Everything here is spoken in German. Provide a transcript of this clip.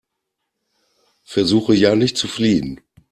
Versuche ja nicht zu fliehen!